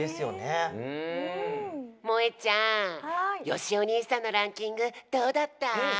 よしお兄さんのランキングどうだった？